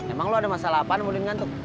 emang lo ada masalah apa sama udin ngantuk